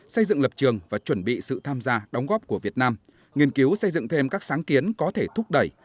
xây dựng lập trường và chuẩn bị sự tham gia đóng góp của việt nam nghiên cứu xây dựng thêm các sáng kiến có thể thúc đẩy